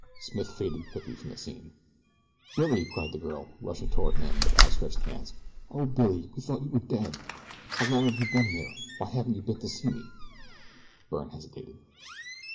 Smith faded quickly from the scene. "Billy!" cried the girl, rushing toward him with out stretched hands. "O Billy, we thought you were dead. How long have you been here? Why haven't you been to see me?" Byrne hesitated.